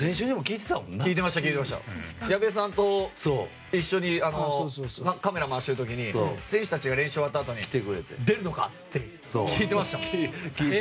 矢部さんと一緒にカメラを回している時に選手たちが練習終わったあとに出るのか？って聞いてましたよ。